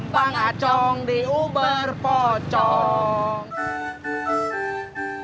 bang acong di uber pocong